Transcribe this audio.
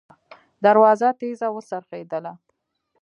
دروازه تېزه وڅرخېدله.